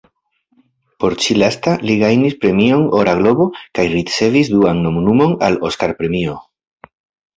Por ĉi-lasta, li gajnis Premion Ora Globo kaj ricevis duan nomumon al Oskar-premio.